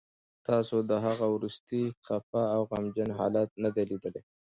تاسو د هغه وروستی خفه او غمجن حالت نه دی لیدلی